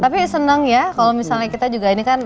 tapi senang ya kalau misalnya kita juga ini kan